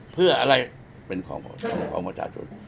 เพื่ออะไรเป็นของประชาชน